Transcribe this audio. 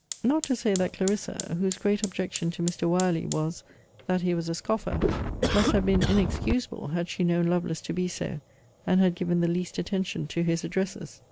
Not to say that Clarissa, whose great objection to Mr. Wyerley was, that he was a scoffer, must have been inexcusable had she known Lovelace to be so, and had given the least attention to his addresses.